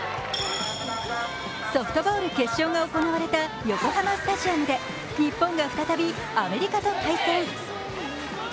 ソフトボール決勝が行われた横浜スタジアムで日本が再び、アメリカと対戦。